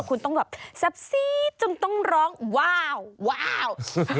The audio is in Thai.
คุณต้องแบบแซ่บซีดจนต้องร้องว้าว